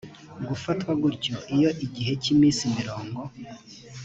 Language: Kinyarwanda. gufatwa gutyo iyo igihe cy iminsi mirongo